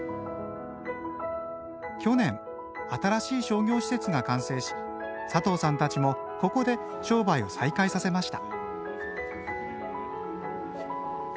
去年新しい商業施設が完成し佐藤さんたちもここで商売を再開させました。